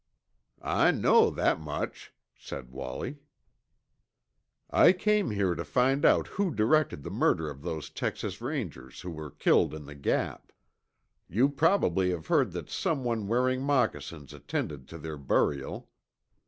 "I know that much," said Wallie. "I came here to find out who directed the murder of those Texas Rangers who were killed in the Gap. You probably have heard that someone wearing moccasins attended to their burial."